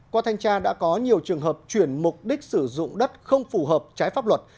qua thanh tra đã có nhiều trường hợp chuyển mục đích sử dụng đất không phù hợp trái pháp luật